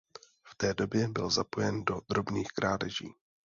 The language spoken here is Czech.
V té době byl zapojen do drobných krádeží.